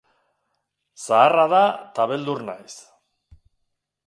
Zaharra da eta beldur naiz.